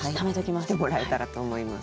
来てもらえたらと思います。